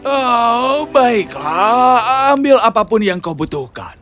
oh baiklah ambil apapun yang kau butuhkan